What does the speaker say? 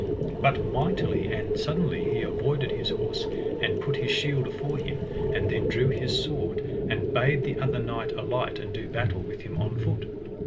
But mightily and suddenly he avoided his horse and put his shield afore him, and then drew his sword, and bade the other knight alight and do battle with him on foot.